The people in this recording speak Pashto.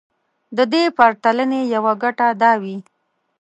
د دې پرتلنې يوه ګټه دا وي.